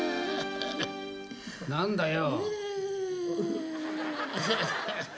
何だよ？